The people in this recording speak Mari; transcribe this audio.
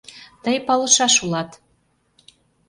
Тый палышаш улат.